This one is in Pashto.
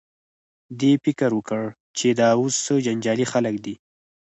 دې فکر وکړ چې دا اوس څه جنجالي خلک دي.